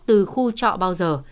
từ khu trọ bao giờ